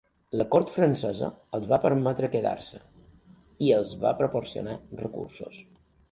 La cort francesa els va permetre quedar-se i els va proporcionar recursos.